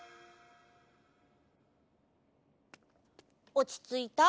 おちついた？